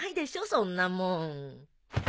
そんなもん。